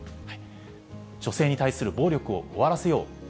女性に対する暴力を終わらせよう。